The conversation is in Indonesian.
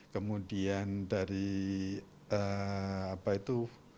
kemudian dari apa itu